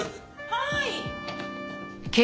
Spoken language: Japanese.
はい。